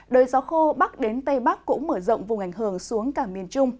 đời gió khô bắc đến tây bắc cũng mở rộng vùng ảnh hưởng xuống cả miền trung